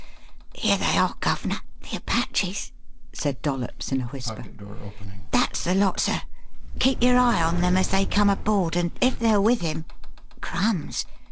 "Here they are, guv'ner the Apaches!" said Dollops in a whisper. "That's the lot, sir. Keep your eye on them as they come aboard, and if they are with him Crumbs!